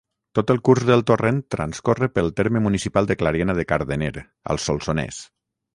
Tot el curs del torrent transcorre pel terme municipal de Clariana de Cardener, al Solsonès.